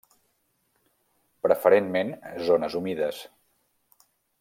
Preferentment zones humides.